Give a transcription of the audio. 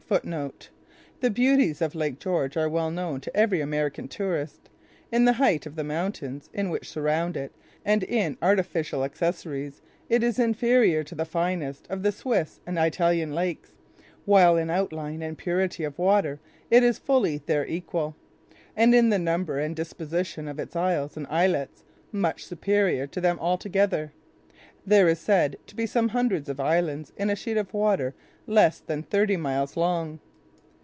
The beauties of Lake George are well known to every American tourist. In the height of the mountains which surround it, and in artificial accessories, it is inferior to the finest of the Swiss and Italian lakes, while in outline and purity of water it is fully their equal; and in the number and disposition of its isles and islets much superior to them all together. There are said to be some hundreds of islands in a sheet of water less than thirty miles long.